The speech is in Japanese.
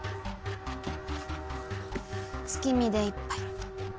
月見で一杯。